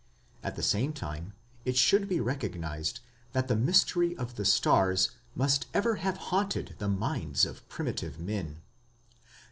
At the same time it should be recognized that the mystery of the stars must ever have haunted the minds of primitive men.